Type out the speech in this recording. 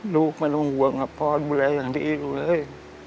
ลูกไม่ต้องห่วงว่าพ่อดูอะไรอย่างนี้ลูกเลย